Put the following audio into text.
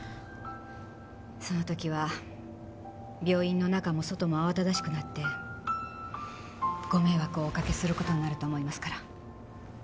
その時は病院の中も外も慌しくなってご迷惑をおかけする事になると思いますから。